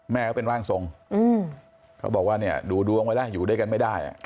ก็เป็นร่างทรงเขาบอกว่าเนี่ยดูดวงไว้แล้วอยู่ด้วยกันไม่ได้